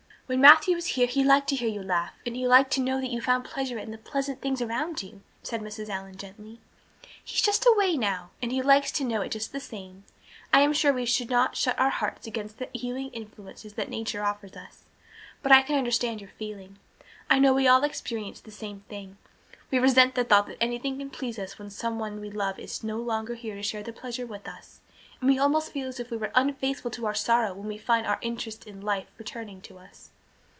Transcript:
"When Matthew was here he liked to hear you laugh and he liked to know that you found pleasure in the pleasant things around you," said Mrs. Allan gently. "He is just away now; and he likes to know it just the same. I am sure we should not shut our hearts against the healing influences that nature offers us. But I can understand your feeling. I think we all experience the same thing. We resent the thought that anything can please us when someone we love is no longer here to share the pleasure with us, and we almost feel as if we were unfaithful to our sorrow when we find our interest in life returning to us."